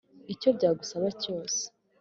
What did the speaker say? icyo byagusaba cyose